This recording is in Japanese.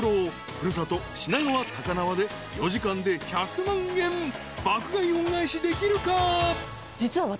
古里品川高輪で４時間で１００万円爆買い恩返しできるか？］